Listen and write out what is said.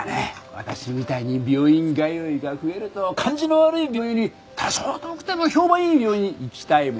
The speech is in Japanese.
私みたいに病院通いが増えると感じの悪い病院より多少遠くても評判いい病院に行きたいもんね。